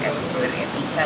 dan untuk etika